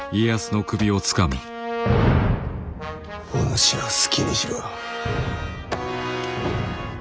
お主は好きにしろ。